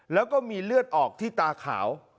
แล้วก็มีเลือดออกที่ตาขาว